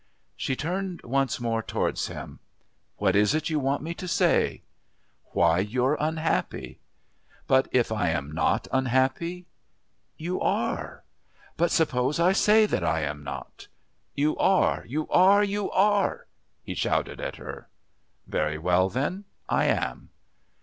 She turned once more towards him. "What is it you want me to say?" "Why you're unhappy." "But if I am not unhappy?" "You are." "But suppose I say that I am not?" "You are. You are. You are!" he shouted at her. "Very well, then, I am."